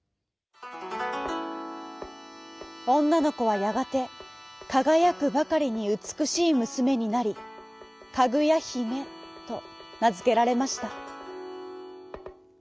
おんなのこはやがてかがやくばかりにうつくしいむすめになりかぐやひめとなづけられました。